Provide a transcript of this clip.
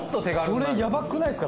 これやばくないですか？